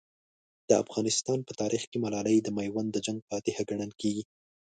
د افغانستان په تاریخ کې ملالۍ د میوند د جنګ فاتحه ګڼل کېږي.